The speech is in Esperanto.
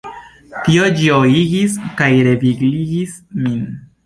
Tio ĝojigis kaj revigligis min!